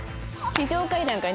非常階段から？